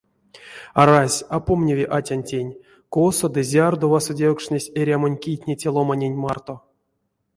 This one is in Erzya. Арась, а помняви атянтень, косо ды зярдо васодевкшнесть эрямонь китне те ломаненть марто.